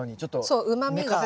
そううまみが。